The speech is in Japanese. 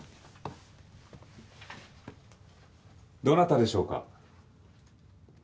どなたでしょうか？